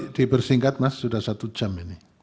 jadi bersingkat mas sudah satu jam ini